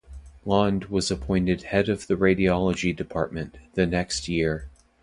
Londe was appointed head of the radiology department the next year.